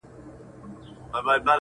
چوپ پاته وي,